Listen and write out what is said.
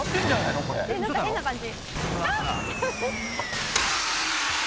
何か変な感じ。